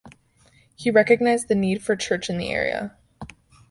He recognised the need for church in the area.